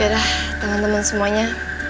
ya udah teman teman semuanya